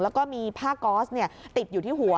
แล้วก็มีผ้าก๊อสติดอยู่ที่หัว